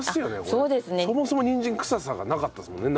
そもそもにんじん臭さがなかったですもんね